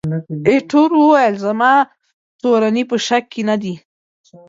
ایټور وویل، زما تورني په شک کې نه ده.